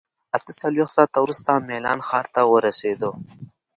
اته څلوېښت ساعته وروسته میلان ښار ته ورسېدو.